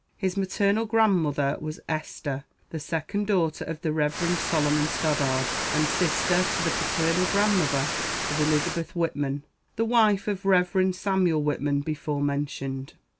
His maternal grandmother was Esther, the second daughter of the Rev. Solomon Stoddard, and sister to the paternal grandmother of Elizabeth Whitman, the wife of Rev. Samuel Whitman before mentioned.